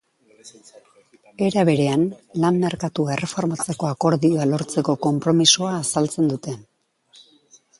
Era berean, lan-merkatua erreformatzeko akordioa lortzeko konpromisoa azaltzen dute.